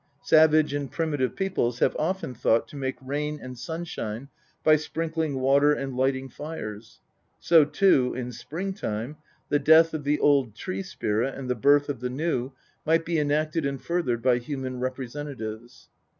Savage and primitive peoples have often thought to make rain and sunshine by sprinkling water and lighting fires ; so too, in spring time, the death of the old tree spirit and the birth of the new might be enacted and furthered by human representatives.